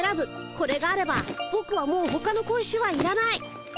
これがあればぼくはもうほかの小石はいらない。